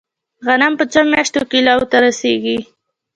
غنم په څو میاشتو کې لو ته رسیږي؟